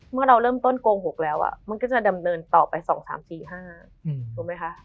เมื่อเราเริ่มต้นโกหกแล้วมันก็จะดำเนินต่อไป๒๓๔๕ถูกไหมคะ